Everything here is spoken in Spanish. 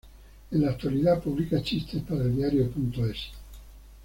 En la actualidad publica chistes para eldiario.es.